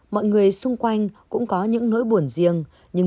mọi người xung quanh cũng có những nỗi buồn riêng